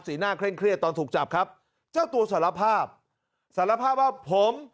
หน้าเคร่งเครียดตอนถูกจับครับเจ้าตัวสารภาพสารภาพว่าผม